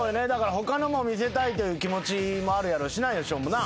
他のも見せたいという気持ちもあるやろうしなよしおもな。